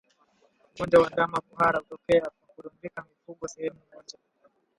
Ugonjwa wa ndama kuhara hutokea kwa kurundika mifugo sehemu moja